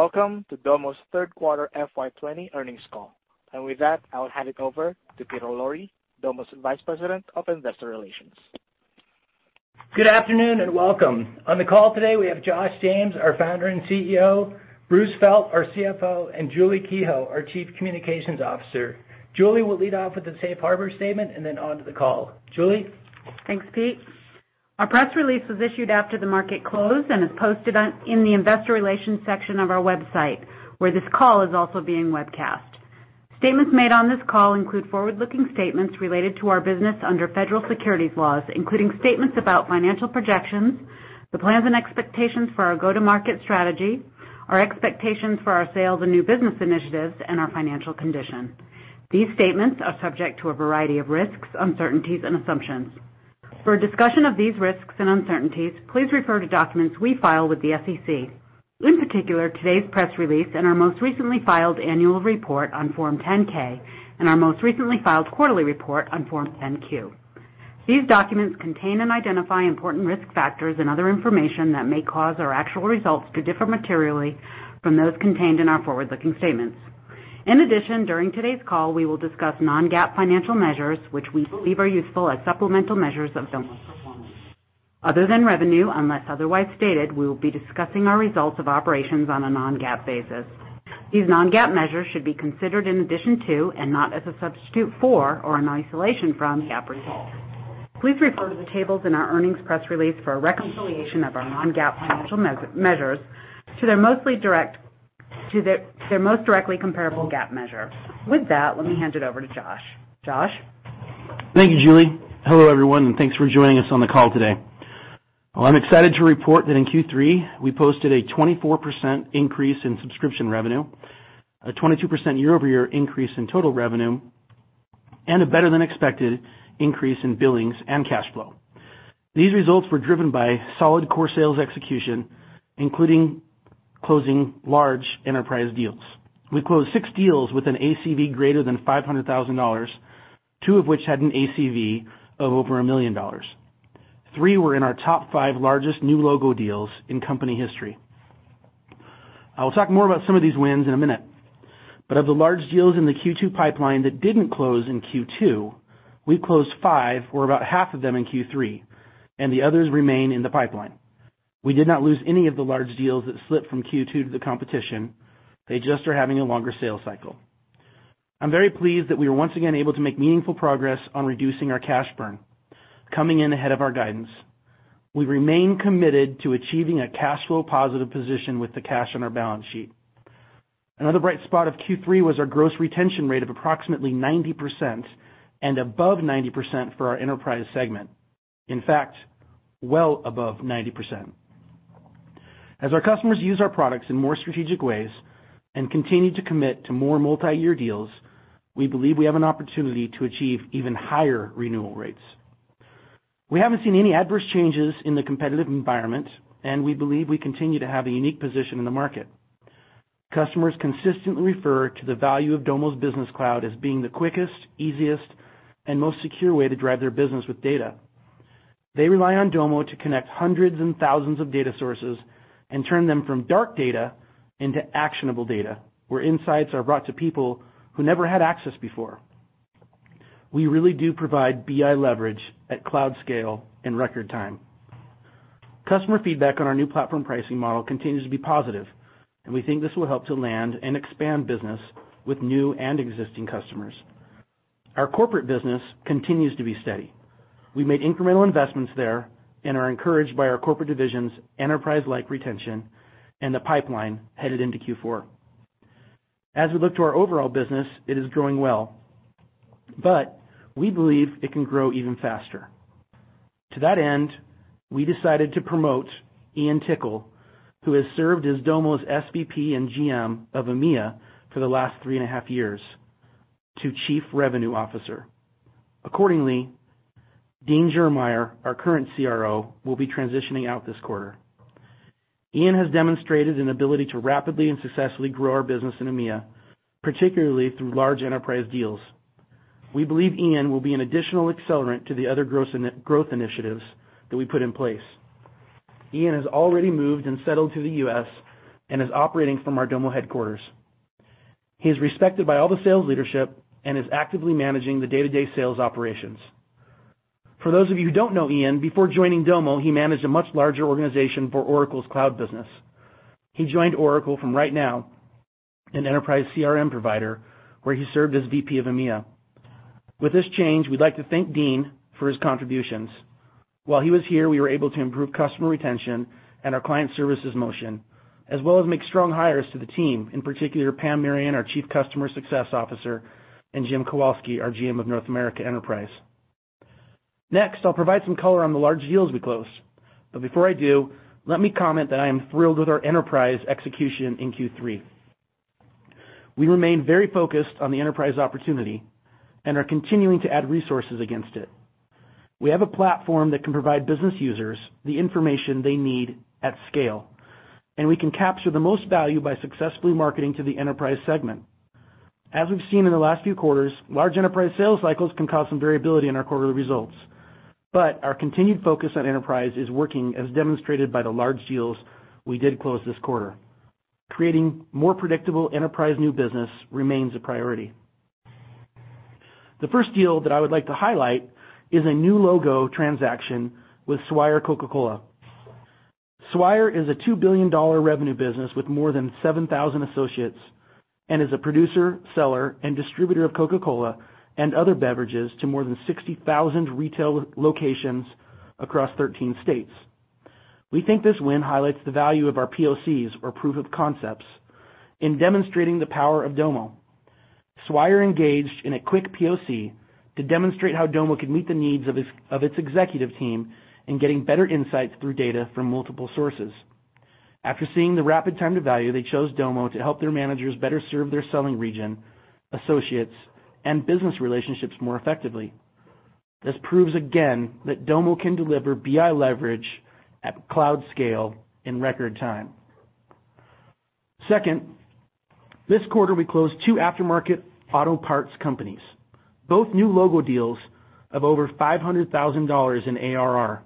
Welcome to Domo's third quarter FY 2020 earnings call. With that, I'll hand it over to Peter Lowry, Domo's Vice President of Investor Relations. Good afternoon, and welcome. On the call today, we have Josh James, our Founder and Chief Executive Officer, Bruce Felt, our Chief Financial Officer, and Julie Kehoe, our Chief Communications Officer. Julie will lead off with the safe harbor statement and then on to the call. Julie? Thanks, Pete. Our press release was issued after the market closed and is posted in the investor relations section of our website, where this call is also being webcast. Statements made on this call include forward-looking statements related to our business under federal securities laws, including statements about financial projections, the plans and expectations for our go-to-market strategy, our expectations for our sales and new business initiatives, and our financial condition. These statements are subject to a variety of risks, uncertainties, and assumptions. For a discussion of these risks and uncertainties, please refer to documents we file with the SEC. In particular, today's press release and our most recently filed annual report on Form 10-K, and our most recently filed quarterly report on Form 10-Q. These documents contain and identify important risk factors and other information that may cause our actual results to differ materially from those contained in our forward-looking statements. In addition, during today's call, we will discuss non-GAAP financial measures, which we believe are useful as supplemental measures of Domo's performance. Other than revenue, unless otherwise stated, we will be discussing our results of operations on a non-GAAP basis. These non-GAAP measures should be considered in addition to and not as a substitute for or an isolation from GAAP results. Please refer to the tables in our earnings press release for a reconciliation of our non-GAAP financial measures to their most directly comparable GAAP measure. With that, let me hand it over to Josh. Josh? Thank you, Julie. Hello, everyone, and thanks for joining us on the call today. Well, I'm excited to report that in Q3, we posted a 24% increase in subscription revenue, a 22% year-over-year increase in total revenue, and a better than expected increase in billings and cash flow. These results were driven by solid core sales execution, including closing large enterprise deals. We closed six deals with an ACV greater than $500,000, two of which had an ACV of over $1 million. Three were in our top five largest new logo deals in company history. I will talk more about some of these wins in a minute. Of the large deals in the Q2 pipeline that didn't close in Q2, we closed five or about half of them in Q3, and the others remain in the pipeline. We did not lose any of the large deals that slipped from Q2 to the competition. They just are having a longer sales cycle. I'm very pleased that we were once again able to make meaningful progress on reducing our cash burn, coming in ahead of our guidance. We remain committed to achieving a cash flow positive position with the cash on our balance sheet. Another bright spot of Q3 was our gross retention rate of approximately 90% and above 90% for our enterprise segment. In fact, well above 90%. As our customers use our products in more strategic ways and continue to commit to more multi-year deals, we believe we have an opportunity to achieve even higher renewal rates. We haven't seen any adverse changes in the competitive environment, and we believe we continue to have a unique position in the market. Customers consistently refer to the value of Domo's Business Cloud as being the quickest, easiest, and most secure way to drive their business with data. They rely on Domo to connect hundreds and thousands of data sources and turn them from dark data into actionable data, where insights are brought to people who never had access before. We really do provide BI leverage at cloud scale in record time. Customer feedback on our new platform pricing model continues to be positive, and we think this will help to land and expand business with new and existing customers. Our corporate business continues to be steady. We made incremental investments there and are encouraged by our corporate division's enterprise-like retention and the pipeline headed into Q4. As we look to our overall business, it is growing well, but we believe it can grow even faster. To that end, we decided to promote Ian Tickle, who has served as Domo's SVP and GM of EMEA for the last three and a half years, to Chief Revenue Officer. Accordingly, Dean Germeyer, our current CRO, will be transitioning out this quarter. Ian has demonstrated an ability to rapidly and successfully grow our business in EMEA, particularly through large enterprise deals. We believe Ian will be an additional accelerant to the other growth initiatives that we put in place. Ian has already moved and settled to the U.S. and is operating from our Domo headquarters. He is respected by all the sales leadership and is actively managing the day-to-day sales operations. For those of you who don't know Ian, before joining Domo, he managed a much larger organization for Oracle's cloud business. He joined Oracle from RightNow, an enterprise CRM provider, where he served as VP of EMEA. With this change, we'd like to thank Dean for his contributions. While he was here, we were able to improve customer retention and our client services motion, as well as make strong hires to the team, in particular, Pam Marion, our Chief Customer Success Officer, and Jim Kowalski, our GM of North America Enterprise. Next, I'll provide some color on the large deals we closed. Before I do, let me comment that I am thrilled with our enterprise execution in Q3. We remain very focused on the enterprise opportunity and are continuing to add resources against it. We have a platform that can provide business users the information they need at scale, and we can capture the most value by successfully marketing to the enterprise segment. As we've seen in the last few quarters, large enterprise sales cycles can cause some variability in our quarterly results. Our continued focus on enterprise is working, as demonstrated by the large deals we did close this quarter. Creating more predictable enterprise new business remains a priority. The first deal that I would like to highlight is a new logo transaction with Swire Coca-Cola. Swire is a $2 billion revenue business with more than 7,000 associates, and is a producer, seller, and distributor of Coca-Cola and other beverages to more than 60,000 retail locations across 13 states. We think this win highlights the value of our POCs, or proof of concepts, in demonstrating the power of Domo. Swire engaged in a quick POC to demonstrate how Domo could meet the needs of its executive team in getting better insights through data from multiple sources. After seeing the rapid time to value, they chose Domo to help their managers better serve their selling region, associates, and business relationships more effectively. This proves again that Domo can deliver BI leverage at cloud scale in record time. Second, this quarter, we closed two aftermarket auto parts companies, both new logo deals of over $500,000 in ARR.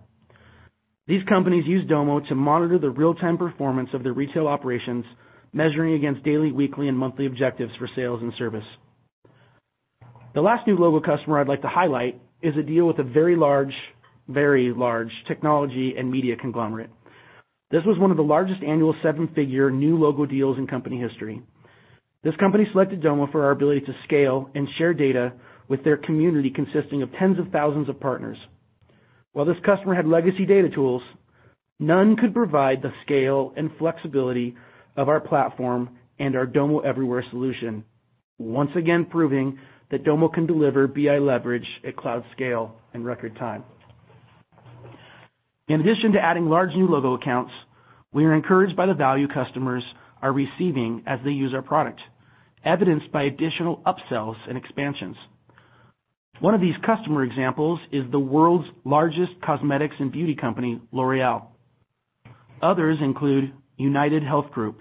These companies use Domo to monitor the real-time performance of their retail operations, measuring against daily, weekly, and monthly objectives for sales and service. The last new logo customer I'd like to highlight is a deal with a very large technology and media conglomerate. This was one of the largest annual seven-figure new logo deals in company history. This company selected Domo for our ability to scale and share data with their community, consisting of tens of thousands of partners. While this customer had legacy data tools, none could provide the scale and flexibility of our platform and our Domo Everywhere solution. Once again proving that Domo can deliver BI leverage at cloud scale in record time. In addition to adding large new logo accounts, we are encouraged by the value customers are receiving as they use our product, evidenced by additional upsells and expansions. One of these customer examples is the world's largest cosmetics and beauty company, L'Oréal. Others include UnitedHealth Group,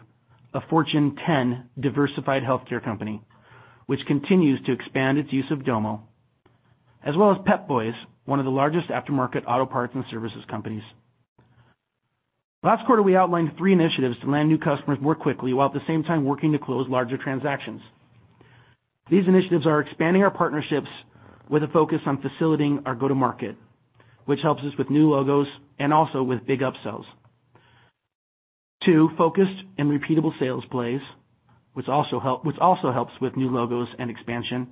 a Fortune 10 diversified healthcare company, which continues to expand its use of Domo, as well as Pep Boys, one of the largest aftermarket auto parts and services companies. Last quarter, we outlined three initiatives to land new customers more quickly, while at the same time working to close larger transactions. These initiatives are expanding our partnerships with a focus on facilitating our go to market, which helps us with new logos and also with big upsells. Two, focused and repeatable sales plays, which also helps with new logos and expansion,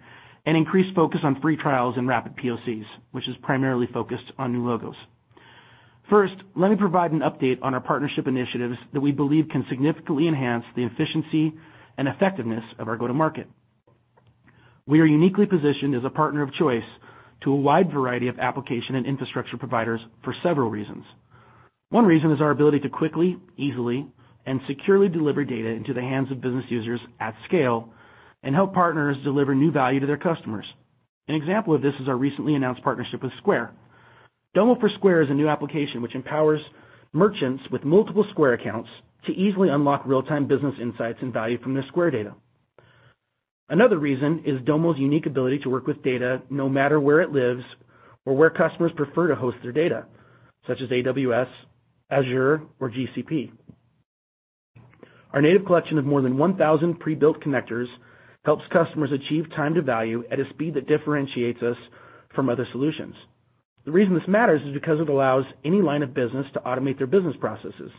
and increased focus on free trials and rapid POCs, which is primarily focused on new logos. First, let me provide an update on our partnership initiatives that we believe can significantly enhance the efficiency and effectiveness of our go to market. We are uniquely positioned as a partner of choice to a wide variety of application and infrastructure providers for several reasons. One reason is our ability to quickly, easily, and securely deliver data into the hands of business users at scale and help partners deliver new value to their customers. An example of this is our recently announced partnership with Square. Domo for Square is a new application which empowers merchants with multiple Square accounts to easily unlock real-time business insights and value from their Square data. Another reason is Domo's unique ability to work with data no matter where it lives or where customers prefer to host their data, such as AWS, Azure, or GCP. Our native collection of more than 1,000 pre-built connectors helps customers achieve time to value at a speed that differentiates us from other solutions. The reason this matters is because it allows any line of business to automate their business processes.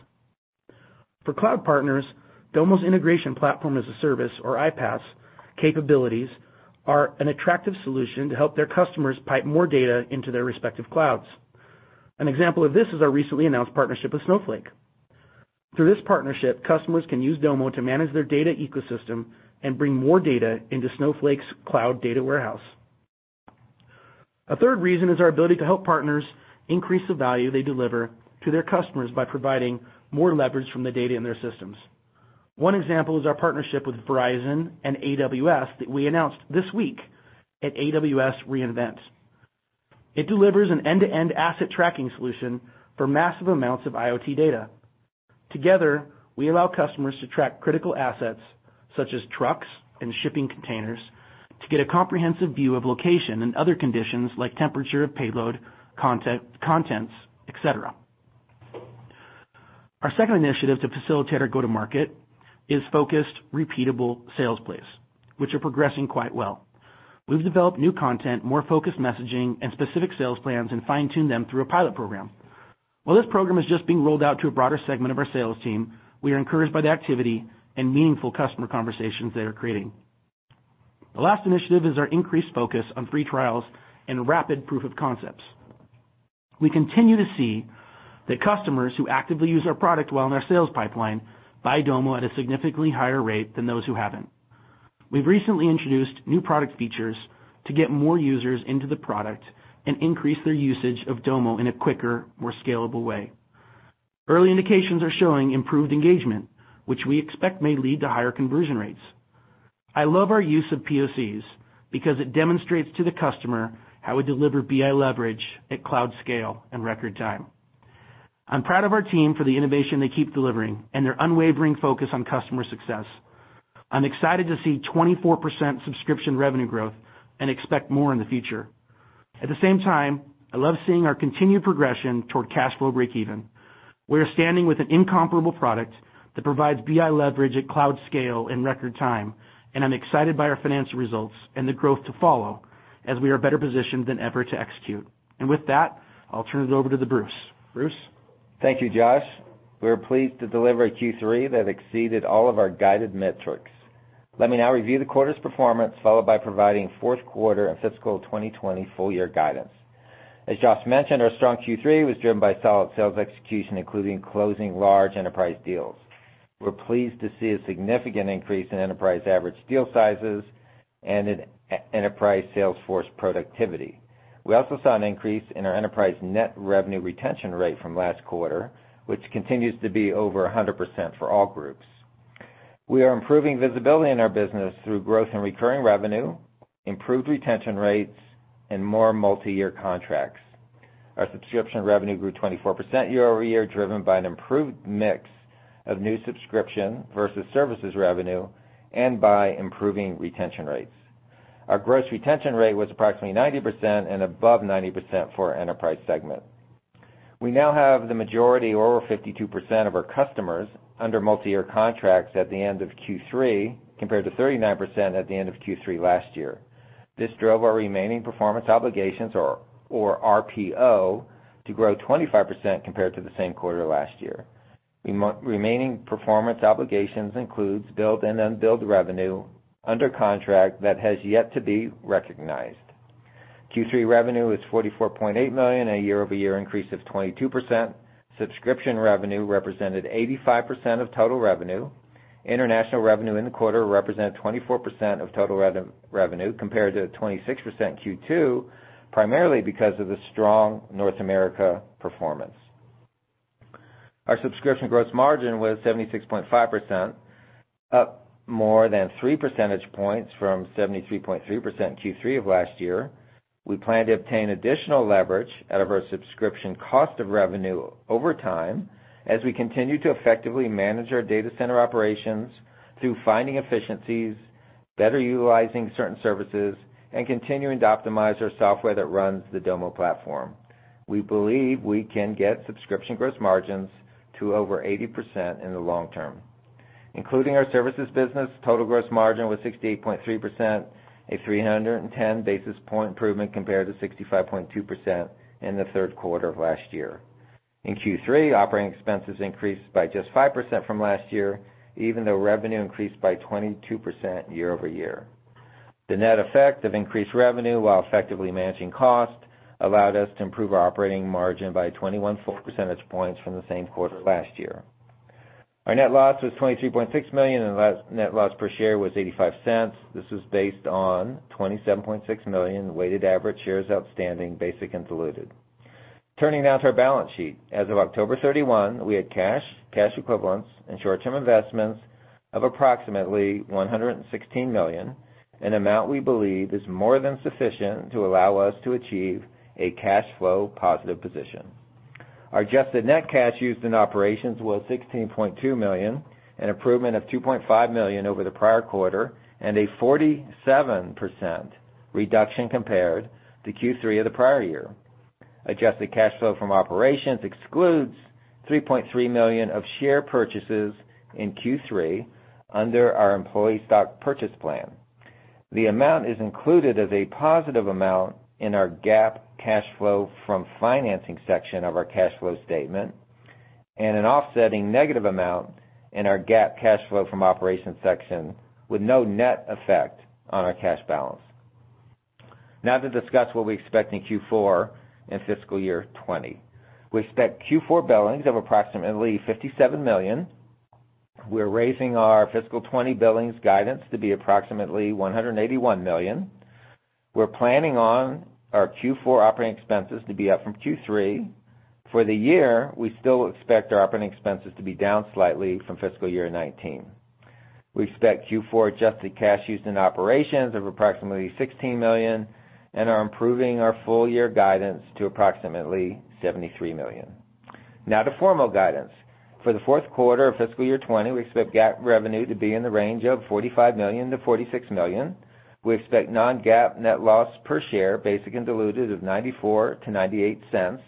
For cloud partners, Domo's Integration Platform as a Service, or iPaaS capabilities are an attractive solution to help their customers pipe more data into their respective clouds. An example of this is our recently announced partnership with Snowflake. Through this partnership, customers can use Domo to manage their data ecosystem and bring more data into Snowflake's cloud data warehouse. A third reason is our ability to help partners increase the value they deliver to their customers by providing more leverage from the data in their systems. One example is our partnership with Verizon and AWS that we announced this week at AWS re:Invent. It delivers an end-to-end asset tracking solution for massive amounts of IoT data. Together, we allow customers to track critical assets such as trucks and shipping containers to get a comprehensive view of location and other conditions like temperature of payload, contents, et cetera. Our second initiative to facilitate our go to market is focused, repeatable sales plays, which are progressing quite well. We've developed new content, more focused messaging, and specific sales plans, and fine-tuned them through a pilot program. While this program is just being rolled out to a broader segment of our sales team, we are encouraged by the activity and meaningful customer conversations they are creating. The last initiative is our increased focus on free trials and rapid proof of concepts. We continue to see that customers who actively use our product while in our sales pipeline buy Domo at a significantly higher rate than those who haven't. We've recently introduced new product features to get more users into the product and increase their usage of Domo in a quicker, more scalable way. Early indications are showing improved engagement, which we expect may lead to higher conversion rates. I love our use of POCs because it demonstrates to the customer how we deliver BI leverage at cloud scale in record time. I'm proud of our team for the innovation they keep delivering and their unwavering focus on customer success. I'm excited to see 24% subscription revenue growth and expect more in the future. I love seeing our continued progression toward cash flow breakeven. We are standing with an incomparable product that provides BI leverage at cloud scale in record time. I'm excited by our financial results and the growth to follow as we are better positioned than ever to execute. With that, I'll turn it over to Bruce. Bruce? Thank you, Josh. We are pleased to deliver a Q3 that exceeded all of our guided metrics. Let me now review the quarter's performance, followed by providing fourth quarter and fiscal 2020 full year guidance. As Josh mentioned, our strong Q3 was driven by solid sales execution, including closing large enterprise deals. We're pleased to see a significant increase in enterprise average deal sizes and in enterprise sales force productivity. We also saw an increase in our enterprise net revenue retention rate from last quarter, which continues to be over 100% for all groups. We are improving visibility in our business through growth in recurring revenue, improved retention rates, and more multi-year contracts. Our subscription revenue grew 24% year-over-year, driven by an improved mix of new subscription versus services revenue and by improving retention rates. Our gross retention rate was approximately 90% and above 90% for our enterprise segment. We now have the majority, over 52% of our customers, under multi-year contracts at the end of Q3, compared to 39% at the end of Q3 last year. This drove our remaining performance obligations, or RPO, to grow 25% compared to the same quarter last year. Remaining performance obligations includes billed and unbilled revenue under contract that has yet to be recognized. Q3 revenue is $44.8 million, a year-over-year increase of 22%. Subscription revenue represented 85% of total revenue. International revenue in the quarter represented 24% of total revenue compared to 26% in Q2, primarily because of the strong North America performance. Our subscription gross margin was 76.5%, up more than three percentage points from 73.3% in Q3 of last year. We plan to obtain additional leverage out of our subscription cost of revenue over time as we continue to effectively manage our data center operations through finding efficiencies, better utilizing certain services, and continuing to optimize our software that runs the Domo platform. We believe we can get subscription gross margins to over 80% in the long term. Including our services business, total gross margin was 68.3%, a 310 basis point improvement compared to 65.2% in the third quarter of last year. In Q3, operating expenses increased by just 5% from last year, even though revenue increased by 22% year-over-year. The net effect of increased revenue while effectively managing cost allowed us to improve our operating margin by 21 percentage points from the same quarter last year. Our net loss was $23.6 million, and net loss per share was $0.85. This was based on 27.6 million weighted average shares outstanding, basic and diluted. Turning now to our balance sheet. As of October 31, we had cash equivalents, and short-term investments of approximately $116 million, an amount we believe is more than sufficient to allow us to achieve a cash flow positive position. Our adjusted net cash used in operations was $16.2 million, an improvement of $2.5 million over the prior quarter and a 47% reduction compared to Q3 of the prior year. Adjusted cash flow from operations excludes $3.3 million of share purchases in Q3 under our employee stock purchase plan. The amount is included as a positive amount in our GAAP cash flow from financing section of our cash flow statement and an offsetting negative amount in our GAAP cash flow from operations section with no net effect on our cash balance. To discuss what we expect in Q4 and fiscal year 2020. We expect Q4 billings of approximately $57 million. We're raising our fiscal 2020 billings guidance to be approximately $181 million. We're planning on our Q4 operating expenses to be up from Q3. For the year, we still expect our operating expenses to be down slightly from fiscal year 2019. We expect Q4 adjusted cash used in operations of approximately $16 million and are improving our full year guidance to approximately $73 million. To formal guidance. For the fourth quarter of fiscal year 2020, we expect GAAP revenue to be in the range of $45 million-$46 million. We expect non-GAAP net loss per share, basic and diluted, of $0.94-$0.98.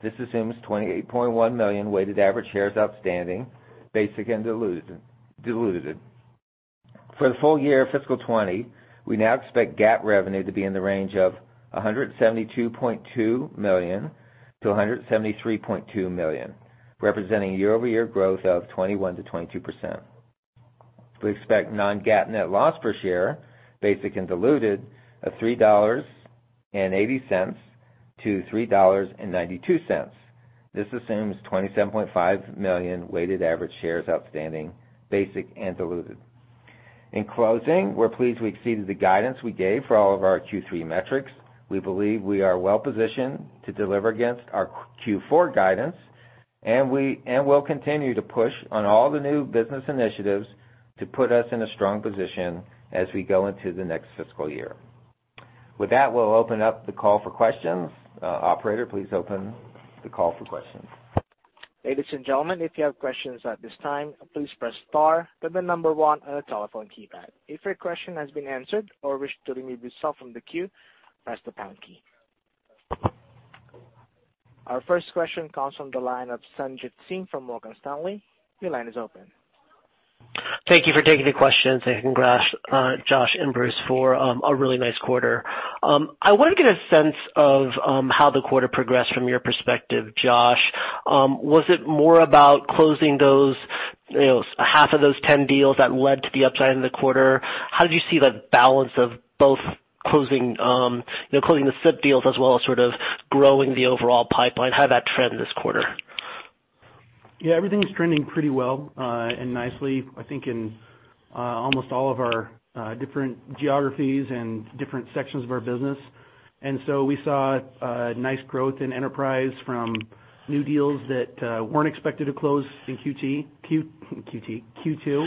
This assumes 28.1 million weighted average shares outstanding, basic and diluted. For the full year of fiscal 2020, we now expect GAAP revenue to be in the range of $172.2 million-$173.2 million, representing year-over-year growth of 21%-22%. We expect non-GAAP net loss per share, basic and diluted, of $3.80-$3.92. This assumes 27.5 million weighted average shares outstanding, basic and diluted. In closing, we're pleased we exceeded the guidance we gave for all of our Q3 metrics. We believe we are well positioned to deliver against our Q4 guidance. We'll continue to push on all the new business initiatives to put us in a strong position as we go into the next fiscal year. With that, we'll open up the call for questions. Operator, please open the call for questions. Ladies and gentlemen, if you have questions at this time, please press star, then the number one on your telephone keypad. If your question has been answered or wish to remove yourself from the queue, press the pound key. Our first question comes from the line of Sanjit Singh from Morgan Stanley. Your line is open. Thank you for taking the questions, and congrats, Josh and Bruce, for a really nice quarter. I want to get a sense of how the quarter progressed from your perspective, Josh. Was it more about closing those half of those 10 deals that led to the upside in the quarter? How did you see the balance of both closing the slipped deals as well as sort of growing the overall pipeline? How did that trend this quarter? Yeah, everything's trending pretty well, and nicely, I think in almost all of our different geographies and different sections of our business. We saw a nice growth in enterprise from new deals that weren't expected to close in Q2.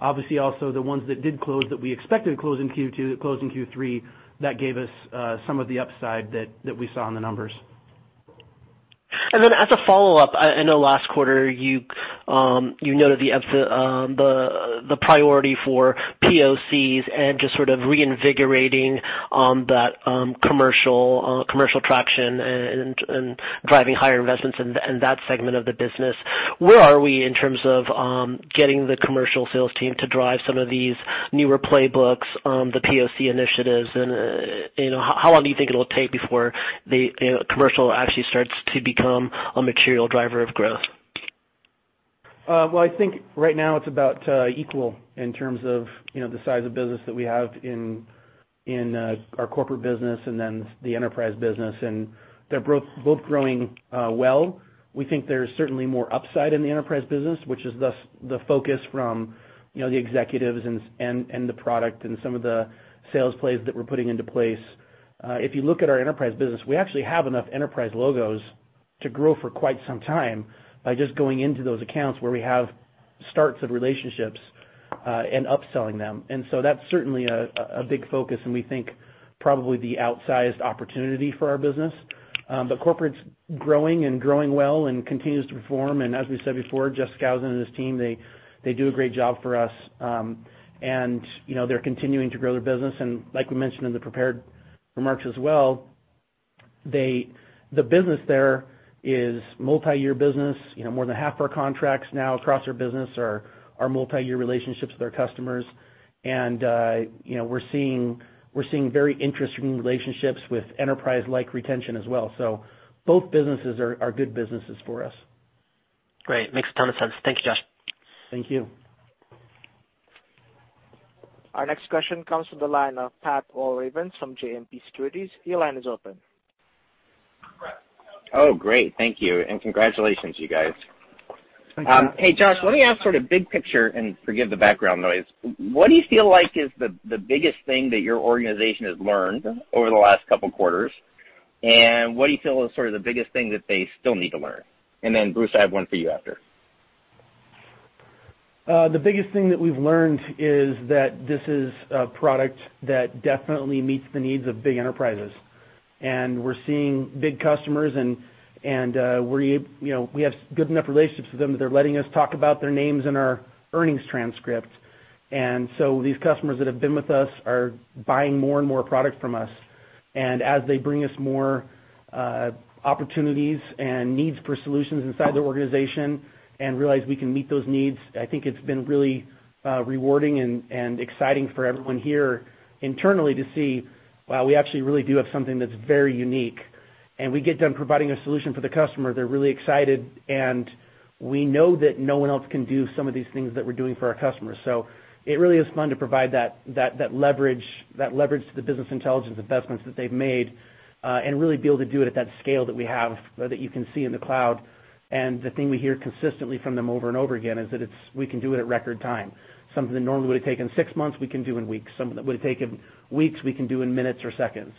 Obviously also the ones that did close that we expected to close in Q2 that closed in Q3, that gave us some of the upside that we saw in the numbers. As a follow-up, I know last quarter you noted the priority for POCs and just sort of reinvigorating that commercial traction and driving higher investments in that segment of the business. Where are we in terms of getting the commercial sales team to drive some of these newer playbooks, the POC initiatives, and how long do you think it'll take before commercial actually starts to become a material driver of growth? I think right now it's about equal in terms of the size of business that we have in our corporate business and then the enterprise business, and they're both growing well. We think there's certainly more upside in the enterprise business, which is thus the focus from the executives and the product and some of the sales plays that we're putting into place. If you look at our enterprise business, we actually have enough enterprise logos to grow for quite some time by just going into those accounts where we have starts of relationships, and upselling them. That's certainly a big focus, and we think probably the outsized opportunity for our business. Corporate's growing and growing well and continues to perform. As we said before, Jeff Skousen and his team, they do a great job for us. They're continuing to grow their business, like we mentioned in the prepared remarks as well, the business there is multi-year business. More than half of our contracts now across our business are multi-year relationships with our customers. We're seeing very interesting relationships with enterprise-like retention as well. Both businesses are good businesses for us. Great. Makes a ton of sense. Thank you, Josh. Thank you. Our next question comes from the line of Patrick Walravens from JMP Securities. Your line is open. Oh, great. Thank you, and congratulations, you guys. Thank you. Hey, Josh, let me ask sort of big picture. Forgive the background noise. What do you feel like is the biggest thing that your organization has learned over the last couple of quarters, and what do you feel is sort of the biggest thing that they still need to learn? Bruce, I have one for you after. The biggest thing that we've learned is that this is a product that definitely meets the needs of big enterprises. We're seeing big customers, and we have good enough relationships with them that they're letting us talk about their names in our earnings transcript. These customers that have been with us are buying more and more product from us. As they bring us more opportunities and needs for solutions inside their organization and realize we can meet those needs, I think it's been really rewarding and exciting for everyone here internally to see, wow, we actually really do have something that's very unique. We get done providing a solution for the customer, they're really excited, and we know that no one else can do some of these things that we're doing for our customers. It really is fun to provide that leverage to the business intelligence investments that they've made, and really be able to do it at that scale that we have, that you can see in the cloud. The thing we hear consistently from them over and over again is that we can do it at record time. Something that normally would've taken six months, we can do in weeks. Something that would've taken weeks, we can do in minutes or seconds.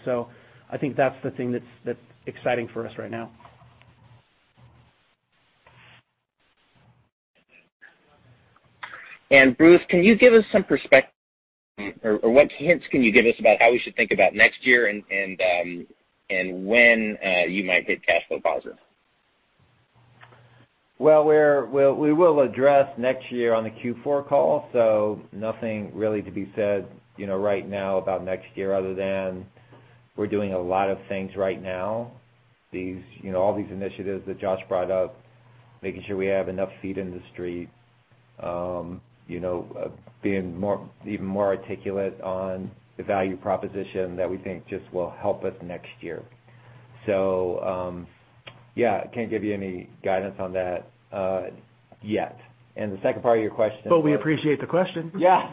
I think that's the thing that's exciting for us right now. Bruce, can you give us some perspective, or what hints can you give us about how we should think about next year and when you might be cash flow positive? Well, we will address next year on the Q4 call. Nothing really to be said right now about next year other than we're doing a lot of things right now. All these initiatives that Josh brought up, making sure we have enough feet in the street, being even more articulate on the value proposition that we think just will help us next year. Yeah, can't give you any guidance on that yet. We appreciate the question. Yeah.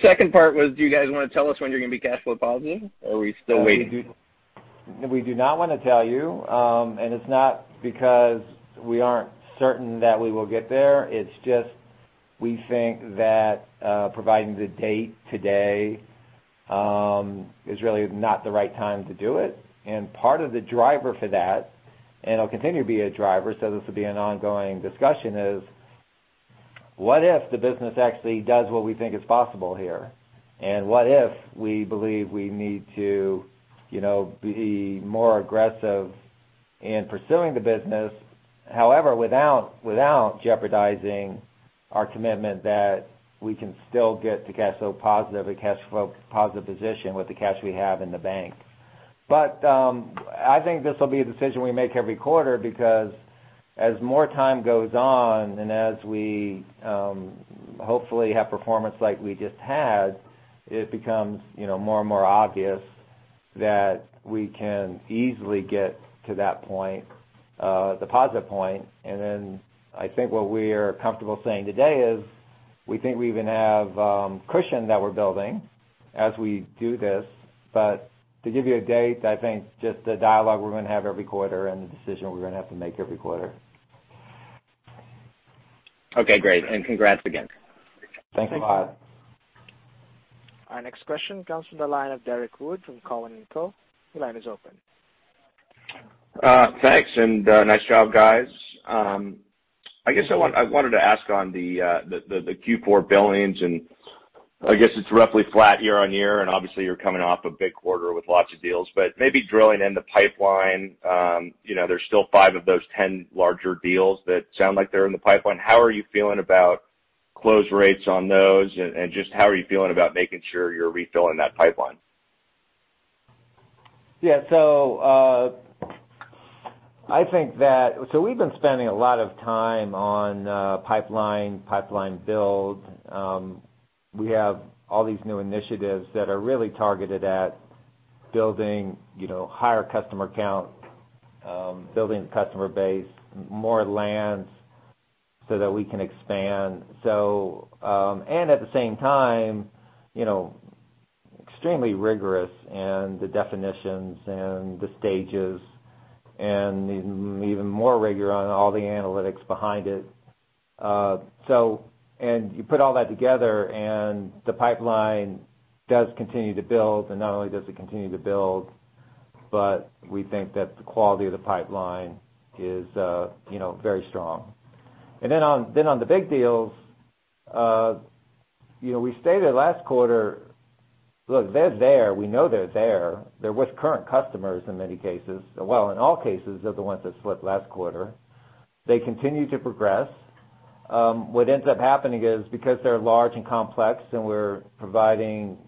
Second part was, do you guys want to tell us when you're going to be cash flow positive, or are we still waiting? We do not want to tell you. It's not because we aren't certain that we will get there. It's just, we think that providing the date today is really not the right time to do it. Part of the driver for that, and it'll continue to be a driver, so this will be an ongoing discussion, is what if the business actually does what we think is possible here? What if we believe we need to be more aggressive in pursuing the business? However, without jeopardizing our commitment that we can still get to cash flow positive position with the cash we have in the bank. I think this will be a decision we make every quarter because as more time goes on, and as we hopefully have performance like we just had, it becomes more and more obvious that we can easily get to that point, the positive point. I think what we are comfortable saying today is we think we even have cushion that we're building as we do this. To give you a date, I think it's just the dialogue we're going to have every quarter and the decision we're going to have to make every quarter. Okay, great. congrats again. Thanks a lot. Our next question comes from the line of Derrick Wood from Cowen and Company. Your line is open. Thanks. Nice job, guys. I wanted to ask on the Q4 billings, and I guess it's roughly flat year-on-year, and obviously you're coming off a big quarter with lots of deals, but maybe drilling in the pipeline. There's still five of those 10 larger deals that sound like they're in the pipeline. How are you feeling about close rates on those, and just how are you feeling about making sure you're refilling that pipeline? Yeah. We've been spending a lot of time on pipeline build. We have all these new initiatives that are really targeted at building higher customer count, building the customer base more lands so that we can expand. At the same time, extremely rigorous in the definitions and the stages, and even more rigor on all the analytics behind it. You put all that together, and the pipeline does continue to build, and not only does it continue to build, but we think that the quality of the pipeline is very strong. On the big deals, we stated last quarter Look, they're there. We know they're there. They're with current customers in many cases. Well, in all cases, they're the ones that slipped last quarter. They continue to progress. What ends up happening is because they're large and complex and we're providing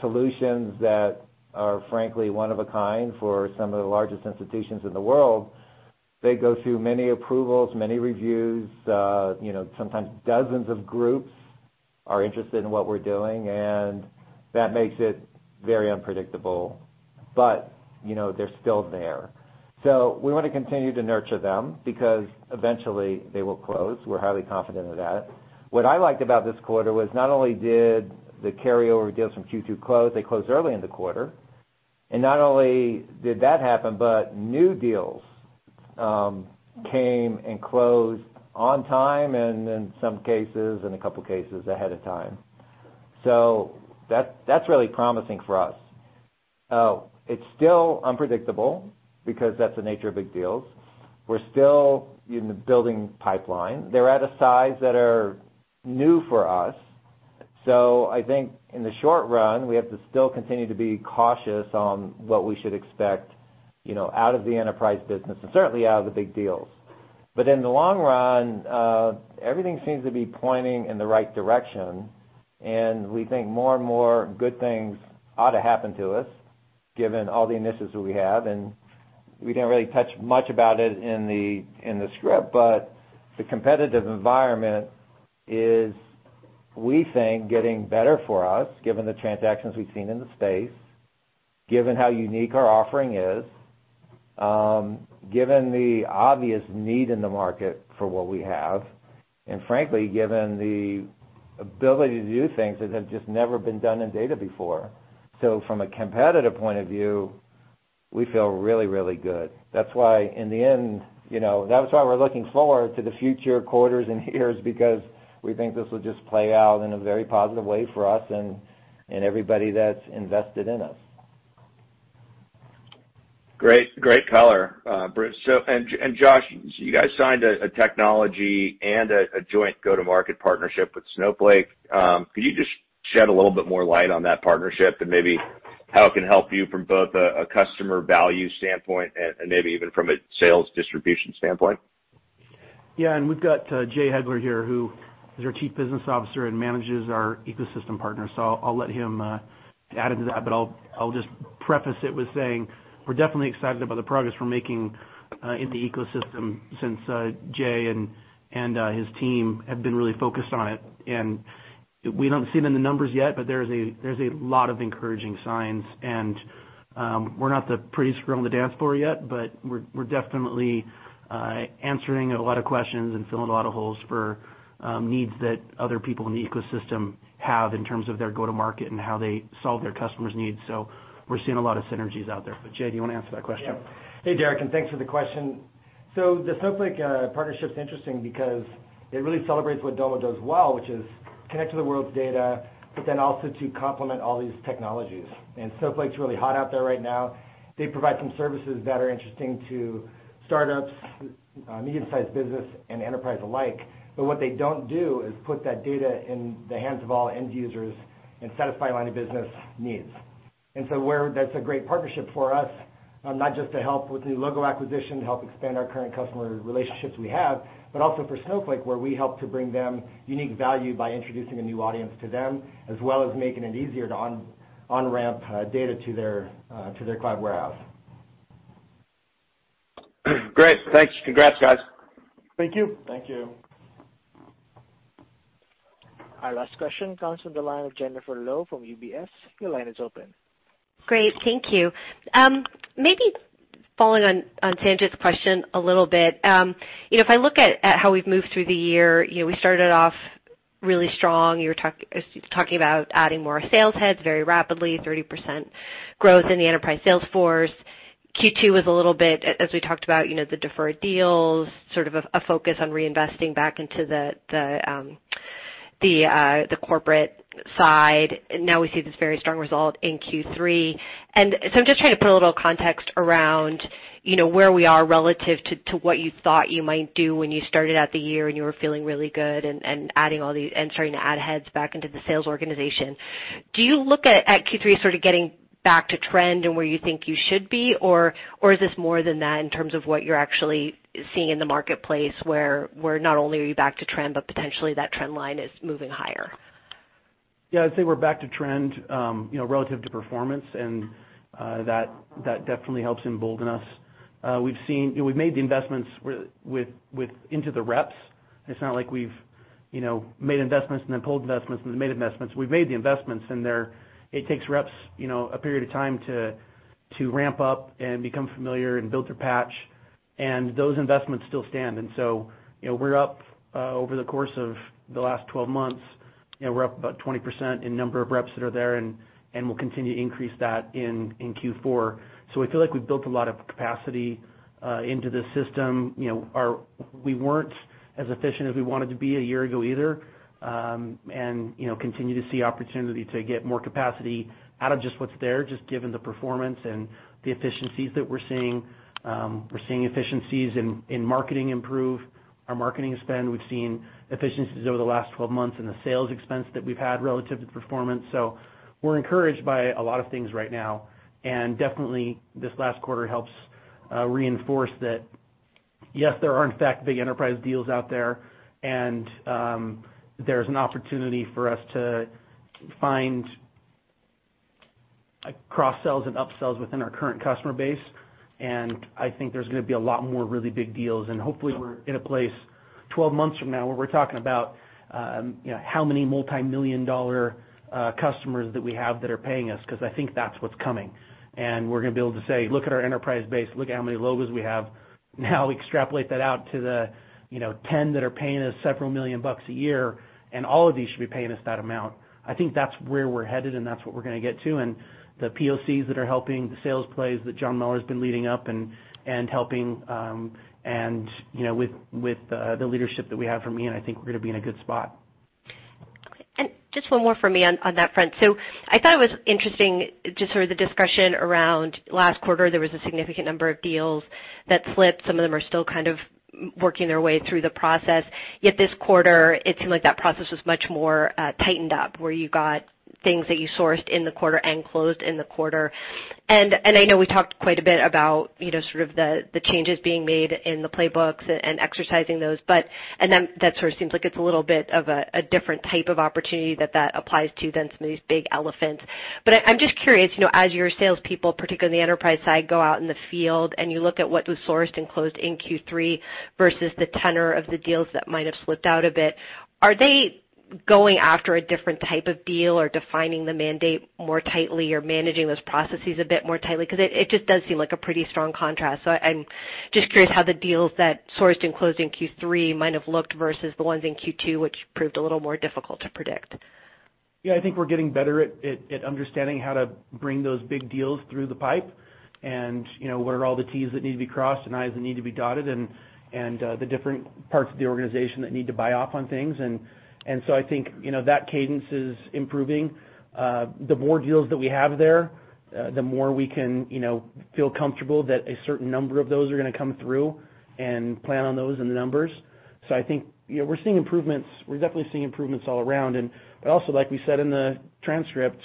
solutions that are frankly one of a kind for some of the largest institutions in the world, they go through many approvals, many reviews, sometimes dozens of groups are interested in what we're doing. That makes it very unpredictable. They're still there. We want to continue to nurture them because eventually they will close. We're highly confident of that. What I liked about this quarter was not only did the carryover deals from Q2 close, they closed early in the quarter. Not only did that happen, but new deals came and closed on time, and in some cases, in a couple cases, ahead of time. That's really promising for us. It's still unpredictable because that's the nature of big deals. We're still in the building pipeline. They're at a size that are new for us. I think in the short run, we have to still continue to be cautious on what we should expect out of the enterprise business and certainly out of the big deals. In the long run, everything seems to be pointing in the right direction, and we think more and more good things ought to happen to us given all the initiatives that we have. We didn't really touch much about it in the script, but the competitive environment is, we think, getting better for us, given the transactions we've seen in the space, given how unique our offering is, given the obvious need in the market for what we have, and frankly, given the ability to do things that have just never been done in data before. From a competitive point of view, we feel really, really good. That's why we're looking forward to the future quarters and years because we think this will just play out in a very positive way for us and everybody that's invested in us. Great color, Bruce. Josh, you guys signed a technology and a joint go-to-market partnership with Snowflake. Could you just shed a little bit more light on that partnership and maybe how it can help you from both a customer value standpoint and maybe even from a sales distribution standpoint? Yeah, we've got Jay Heglar here, who is our Chief Business Officer and manages our ecosystem partners. I'll let him add into that, but I'll just preface it with saying we're definitely excited about the progress we're making in the ecosystem since Jay and his team have been really focused on it. We don't see it in the numbers yet, but there's a lot of encouraging signs. We're not the prettiest girl on the dance floor yet, but we're definitely answering a lot of questions and filling a lot of holes for needs that other people in the ecosystem have in terms of their go-to-market and how they solve their customers' needs. We're seeing a lot of synergies out there. Jay, do you want to answer that question? Yeah. Hey, Derrick, thanks for the question. The Snowflake partnership is interesting because it really celebrates what Domo does well, which is connect to the world's data, but then also to complement all these technologies. Snowflake's really hot out there right now. They provide some services that are interesting to startups, medium-sized business, and enterprise alike. What they don't do is put that data in the hands of all end users and satisfy line of business needs. Where that's a great partnership for us, not just to help with new logo acquisition, to help expand our current customer relationships we have, but also for Snowflake, where we help to bring them unique value by introducing a new audience to them, as well as making it easier to on-ramp data to their cloud warehouse. Great. Thanks. Congrats, guys. Thank you. Thank you. Our last question comes from the line of Jennifer Lowe from UBS. Your line is open. Great. Thank you. Maybe following on Sanjit's question a little bit. If I look at how we've moved through the year, we started off really strong. You were talking about adding more sales heads very rapidly, 30% growth in the enterprise sales force. Q2 was a little bit, as we talked about, the deferred deals, sort of a focus on reinvesting back into the corporate side. Now we see this very strong result in Q3. I'm just trying to put a little context around where we are relative to what you thought you might do when you started out the year and you were feeling really good and starting to add heads back into the sales organization. Do you look at Q3 as sort of getting back to trend and where you think you should be? Is this more than that in terms of what you're actually seeing in the marketplace, where not only are you back to trend, but potentially that trend line is moving higher? I'd say we're back to trend relative to performance, and that definitely helps embolden us. We've made the investments into the reps, and it's not like we've made investments and then pulled investments, and then made investments. We've made the investments, and it takes reps a period of time to ramp up and become familiar and build their patch, and those investments still stand. We're up, over the course of the last 12 months, we're up about 20% in number of reps that are there, and we'll continue to increase that in Q4. We feel like we've built a lot of capacity into the system. We weren't as efficient as we wanted to be a year ago either, and continue to see opportunity to get more capacity out of just what's there, just given the performance and the efficiencies that we're seeing. We're seeing efficiencies in marketing improve, our marketing spend. We've seen efficiencies over the last 12 months in the sales expense that we've had relative to performance. We're encouraged by a lot of things right now, and definitely this last quarter helps reinforce that, yes, there are in fact big enterprise deals out there, and there's an opportunity for us to find cross-sells and up-sells within our current customer base. I think there's going to be a lot more really big deals, and hopefully we're in a place 12 months from now where we're talking about how many multimillion-dollar customers that we have that are paying us, because I think that's what's coming. We're going to be able to say, "Look at our enterprise base, look at how many logos we have." Now we extrapolate that out to the 10 that are paying us $ several million a year, and all of these should be paying us that amount. I think that's where we're headed, and that's what we're going to get to. The POCs that are helping the sales plays that John Miller's been leading up and helping, and with the leadership that we have from me, and I think we're going to be in a good spot. Just one more from me on that front. I thought it was interesting, just sort of the discussion around last quarter, there was a significant number of deals that slipped. Some of them are still kind of working their way through the process. Yet this quarter, it seemed like that process was much more tightened up, where you got things that you sourced in the quarter and closed in the quarter. I know we talked quite a bit about sort of the changes being made in the playbooks and exercising those, and then that sort of seems like it's a little bit of a different type of opportunity that that applies to than some of these big elephants. I'm just curious, as your salespeople, particularly on the enterprise side, go out in the field and you look at what was sourced and closed in Q3 versus the tenor of the deals that might have slipped out a bit, are they going after a different type of deal or defining the mandate more tightly or managing those processes a bit more tightly? Because it just does seem like a pretty strong contrast. I'm just curious how the deals that sourced and closed in Q3 might have looked versus the ones in Q2, which proved a little more difficult to predict. Yeah, I think we're getting better at understanding how to bring those big deals through the pipe and what are all the Ts that need to be crossed and Is that need to be dotted and the different parts of the organization that need to buy off on things. I think that cadence is improving. The more deals that we have there, the more we can feel comfortable that a certain number of those are going to come through and plan on those in the numbers. I think we're seeing improvements. We're definitely seeing improvements all around. Also, like we said in the transcript,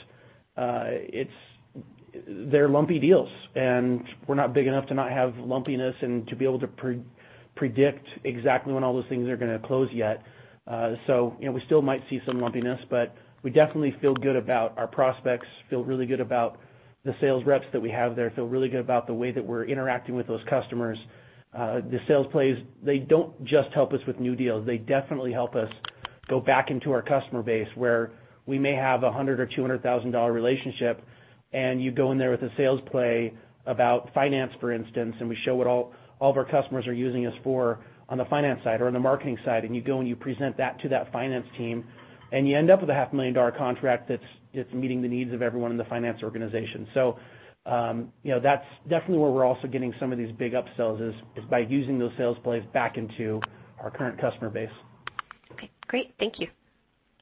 they're lumpy deals, and we're not big enough to not have lumpiness and to be able to predict exactly when all those things are going to close yet. We still might see some lumpiness, but we definitely feel good about our prospects, feel really good about the sales reps that we have there, feel really good about the way that we're interacting with those customers. The sales plays, they don't just help us with new deals. They definitely help us go back into our customer base, where we may have a $100,000 or $200,000 relationship, and you go in there with a sales play about finance, for instance, and we show what all of our customers are using us for on the finance side or on the marketing side, and you go and you present that to that finance team, and you end up with a half-a-million-dollar contract that's meeting the needs of everyone in the finance organization. That's definitely where we're also getting some of these big up-sells is by using those sales plays back into our current customer base. Okay, great. Thank you.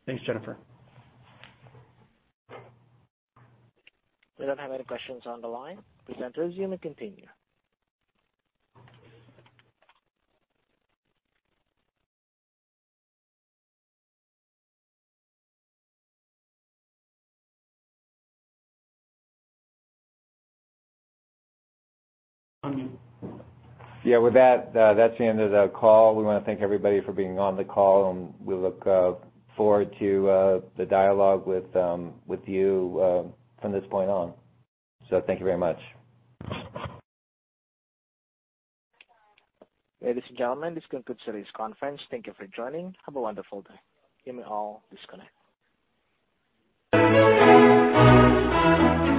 Thanks, Jennifer. We don't have any questions on the line. Presenters, you may continue. Yeah, with that's the end of the call. We want to thank everybody for being on the call, and we look forward to the dialogue with you from this point on. Thank you very much. Ladies and gentlemen, this concludes today's conference. Thank you for joining. Have a wonderful day. You may all disconnect.